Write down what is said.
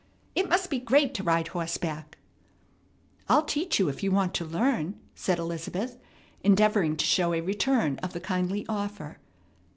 It must be great to ride horseback!" "I'll teach you how if you want to learn," said Elizabeth, endeavoring to show a return of the kindly offer.